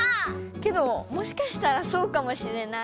けどもしかしたらそうかもしれない。